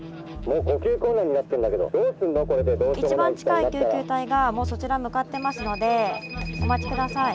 一番近い救急隊がもうそちら向かってますのでお待ち下さい。